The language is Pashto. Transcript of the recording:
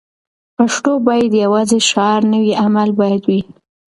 پښتو باید یوازې شعار نه وي؛ عمل باید وي.